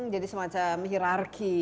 jadi semacam hirarki